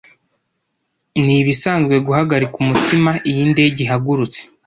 Ni ibisanzwe guhagarika umutima iyo indege ihagurutse.